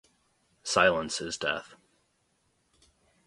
Silence is death.